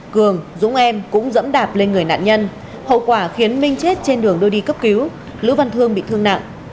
cường dũng em cũng dẫm đạp lên người nạn nhân hậu quả khiến minh chết trên đường đưa đi cấp cứu lữ văn thương bị thương nặng